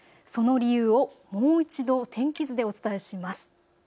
その理由をもう１度、天気図でお伝えします。